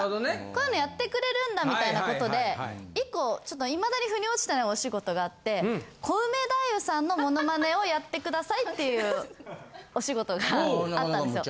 こういうのやってくれるんだみたいなことで１個未だに腑に落ちてないお仕事があって。をやってくださいっていうお仕事があったんですよ。